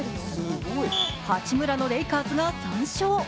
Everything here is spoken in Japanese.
八村のレイカーズが３勝。